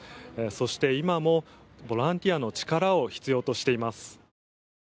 そして、今もボランティアの力を必要としています。